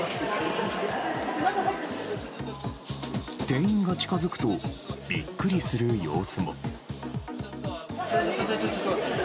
店員が近づくとビックリする様子も。